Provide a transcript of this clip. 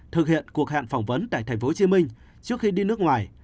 thực hiện cuộc hẹn phỏng vấn tại tp hcm trước khi đi nước ngoài